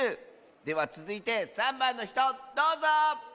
ではつづいて３ばんのひとどうぞ！